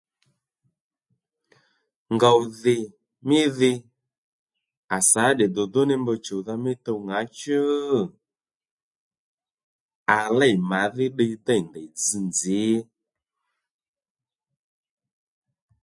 Ngòw dhì mí dhi à sǎ tdè dùdú ní mb chùwdha mí tuw ŋǎchú? À lêy màdhí ddiy dêy ndèy dzz nzǐ